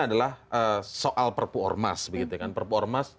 adalah soal perpu ormas